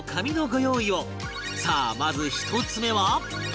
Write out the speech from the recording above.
さあまず１つ目は